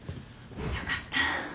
よかった。